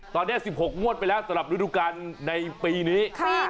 ตอนนี้๑๖งวดไปแล้วสำหรับฤดูกาลในปีนี้